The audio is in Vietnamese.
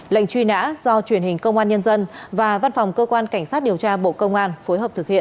lệnh truy nã do truyền hình công an nhân dân và văn phòng cơ quan cảnh sát điều tra bộ công an phối hợp thực hiện